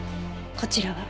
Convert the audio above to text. こちらは？